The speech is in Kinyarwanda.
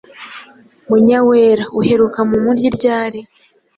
Munyawera:Uheruka mu mugi ryari?